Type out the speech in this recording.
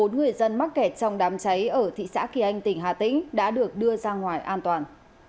bốn người dân mắc kẹt trong đám cháy ở thị xã kỳ anh tỉnh hà tĩnh đã được đưa ra ngoài an toàn